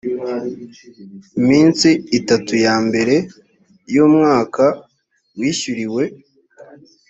iminsi itatu ya mbere y’umwaka wishyuriwe